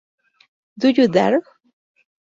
Do You Dare?